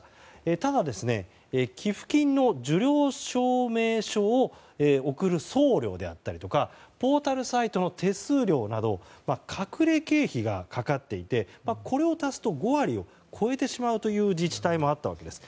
ただ、寄付金の受領証明書を送る送料であったりとかポータルサイトの手数料など隠れ経費がかかっていてこれを足すと５割を超えてしまう自治体もあったわけです。